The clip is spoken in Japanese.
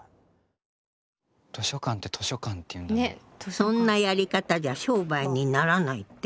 そんなやり方じゃ商売にならないって？